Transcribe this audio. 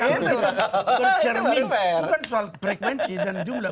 kalau itu berjermin bukan soal frekuensi dan jumlah